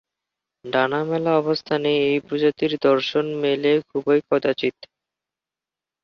ডানা মেলা অবস্থানে এই প্রজাতির দর্শন মেলে খুবই কদাচিৎ।